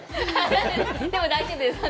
でも大丈夫です。